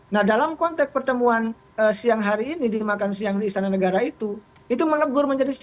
nah dalam konteks pertemuan siang hari ini di makan siang di istana negara itu itu melebur menjadi siang